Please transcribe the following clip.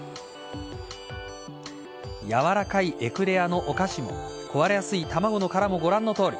やわらかいエクレアのお菓子も壊れやすい卵の殻もご覧のとおり。